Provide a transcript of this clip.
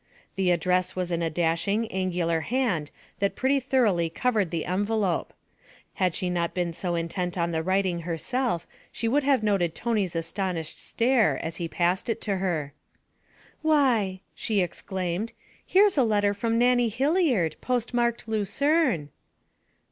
The address was in a dashing, angular hand that pretty thoroughly covered the envelope. Had she not been so intent on the writing herself, she would have noted Tony's astonished stare as he passed it to her. 'Why!' she exclaimed, 'here's a letter from Nannie Hilliard, postmarked Lucerne.'